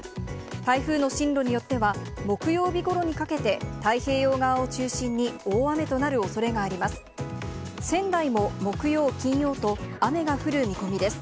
台風の進路によっては、木曜日ごろにかけて、太平洋側を中心に、大雨となるおそれがあります。